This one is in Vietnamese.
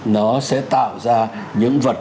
nó sẽ tạo ra những vật